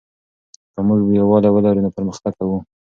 که موږ یووالی ولرو نو پرمختګ کوو.